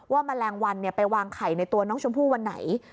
แมลงวันไปวางไข่ในตัวน้องชมพู่วันไหน